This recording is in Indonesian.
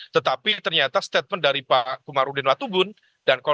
tetapi ternyata statement dari pak kumarudin latubun dan konon